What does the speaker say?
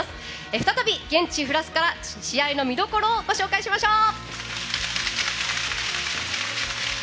再び現地フランスから試合の見どころをご紹介しましょう。